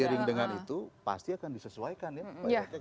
seiring dengan itu pasti akan disesuaikan ya pak jokowi